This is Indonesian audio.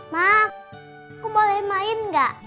mak aku boleh main nggak